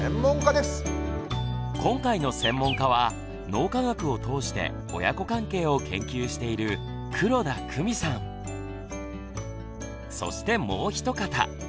今回の専門家は脳科学を通して親子関係を研究しているそしてもう一方。